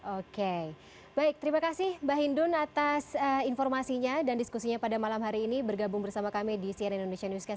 oke baik terima kasih mbak hindun atas informasinya dan diskusinya pada malam hari ini bergabung bersama kami di cnn indonesia newscast